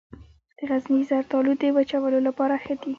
د غزني زردالو د وچولو لپاره ښه دي.